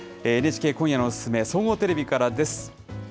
ＮＨＫ、今夜のお勧め、総合テレビからです。